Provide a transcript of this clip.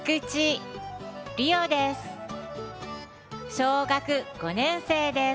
小学５年生です。